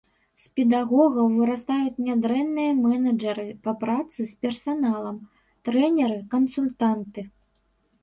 З педагогаў вырастаюць нядрэнныя мэнэджары па працы з персаналам, трэнеры, кансультанты.